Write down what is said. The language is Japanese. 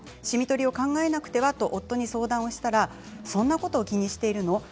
シミ取りを考えなくてはと夫に相談したらそんなこと気にしているの？